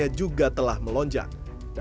ibu di mana lingkungannya